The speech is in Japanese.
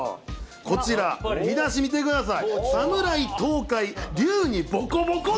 こちら、見出し見てください。